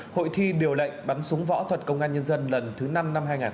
hội thi điều lệnh bắn súng võ thuật công an nhân dân lần thứ năm năm hai nghìn hai mươi ba